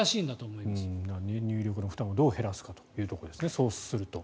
そうすると、入力の負担をどう減らすかということですね。